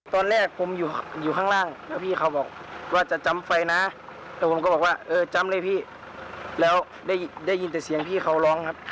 ตอนแรกผมอยู่ข้างล่างแล้วพี่เขาบอกว่าจะจำไฟนะแล้วผมก็บอกว่าเออจำเลยพี่แล้วได้ยินแต่เสียงพี่เขาร้องครับ